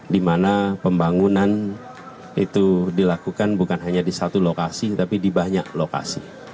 di mana pembangunan itu dilakukan bukan hanya di satu lokasi tapi di banyak lokasi